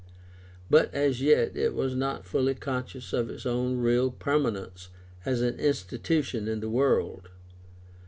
But as yet it was not fully conscious of its own real permanence as an institution in the world.